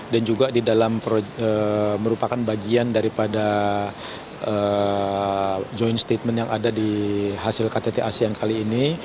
juga di dalam merupakan bagian daripada joint statement yang ada di hasil ktt asean kali ini